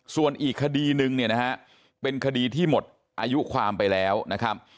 ส่วนอีกคดีนึงเนี่ยนะฮะเป็นคดีที่หมดอายุความไปแล้วนะครับ